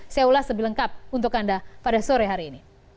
saya ulas lebih lengkap untuk anda pada sore hari ini